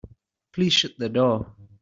Please shut the door.